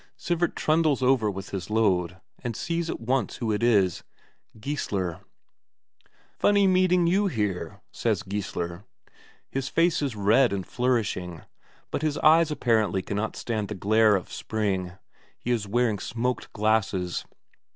Sivert trundles over with his load, and sees at once who it is Geissler. "Funny meeting you here," says Geissler. His face is red and flourishing, but his eyes apparently cannot stand the glare of spring, he is wearing smoked glasses.